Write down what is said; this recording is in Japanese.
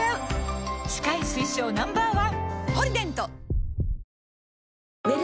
歯科医推奨 Ｎｏ．１！